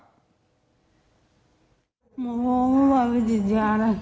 พี่สาวของเธอบอกว่ามันเกิดอะไรขึ้นกับพี่สาวของเธอ